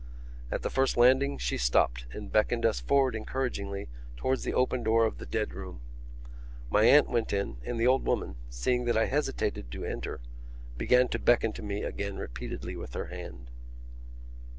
At the first landing she stopped and beckoned us forward encouragingly towards the open door of the dead room. My aunt went in and the old woman, seeing that I hesitated to enter, began to beckon to me again repeatedly with her hand.